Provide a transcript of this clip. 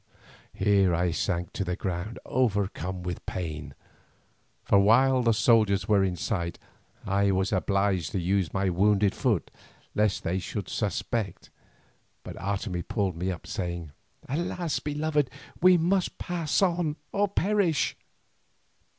Here I sank to the ground overcome with pain, for while the soldiers were in sight, I was obliged to use my wounded foot lest they should suspect. But Otomie pulled me up, saying: "Alas! beloved, we must pass on or perish."